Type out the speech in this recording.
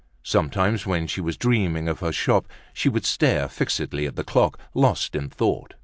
Sometimes, when she was dreaming of her shop, she would stare fixedly at the clock, lost in thought.